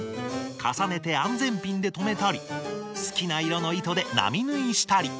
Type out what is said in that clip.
重ねて安全ピンで留めたり好きな色の糸で並縫いしたり。